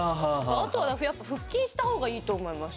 あとはやっぱ腹筋した方がいいと思います